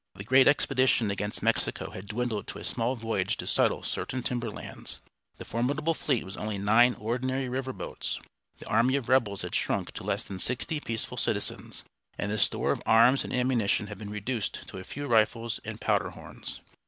The great expedition against Mexico had dwindled to a small voyage to settle certain timber lands. The formidable fleet was only nine ordinary river boats. The army of rebels had shrunk to less than sixty peaceful citizens; and the store of arms and ammunition had been reduced to a few rifles and powder horns.